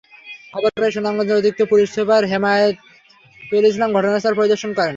খবর পেয়ে সুনামগঞ্জের অতিরিক্ত পুলিশ সুপার হেমায়েতুল ইসলাম ঘটনাস্থল পরিদর্শন করেন।